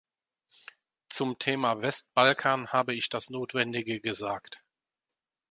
Zum Thema Westbalkan habe ich das Notwendige gesagt.